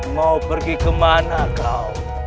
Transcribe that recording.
mau pergi kemana kau